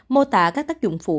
mô tả các tác dụng phụ